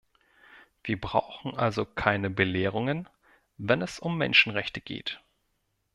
Wir brauchen also keine Belehrungen, wenn es um Menschenrechte geht.